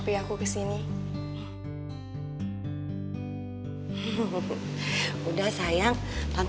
terima kasih banyak ya om